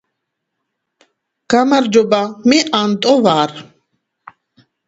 გამარჯობა მე ანტო ვარ